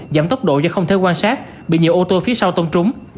giảm tốc độ do không thể quan sát bị nhiều ô tô phía sau tông trúng